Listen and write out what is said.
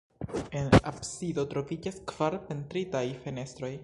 En absido troviĝas kvar pentritaj fenestroj.